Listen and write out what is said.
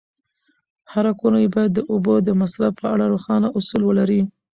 هره کورنۍ باید د اوبو د مصرف په اړه روښانه اصول ولري.